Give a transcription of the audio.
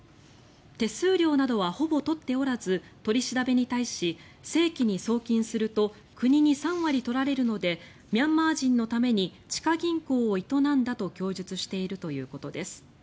手数料などはほぼ取っておらず取り調べに対し正規に送金すると国に３割取られるのでミャンマー人のために地下銀行を営んだと供述しているということです。